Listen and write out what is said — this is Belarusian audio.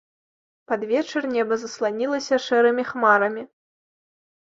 Пад вечар неба засланілася шэрымі хмарамі.